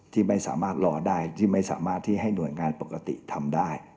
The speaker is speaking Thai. ที่ไม่สามารถรอได้ที่ไม่สามารถที่ให้หน่วยงานปกติทำได้